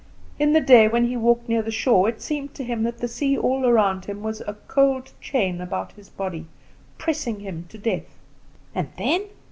In the day when he walked near the shore it seemed to him that the sea all around him was a cold chain about his body pressing him to death." "And then?"